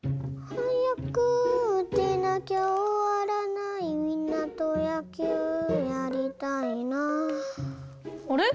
はやくうてなきゃおわらないみんなとやきゅうやりたいなあれ？